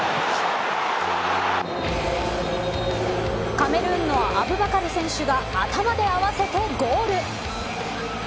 カメルーンのアブバカル選手が頭で合わせてゴール。